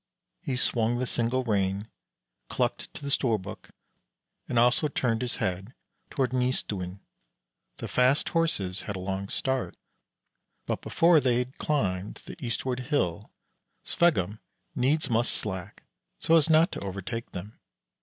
He swung the single rein, clucked to the Storbuk, and also turned his head toward Nystuen. The fast Horses had a long start, but before they had climbed the eastward hill Sveggum needs must slack, so as not to overtake them.